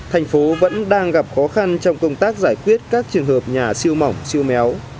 thành phố vẫn đang gặp khó khăn trong công tác giải quyết các trường hợp nhà siêu mỏng siêu méo